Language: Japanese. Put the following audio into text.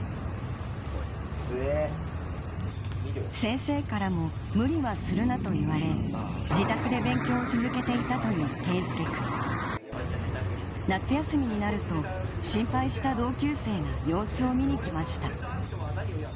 先生からも「無理はするな」と言われ自宅で勉強を続けていたという佳祐くん夏休みになると心配した同級生が様子を見に来ました